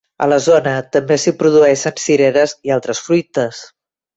A la zona també s'hi produeixen cireres i altres fruites.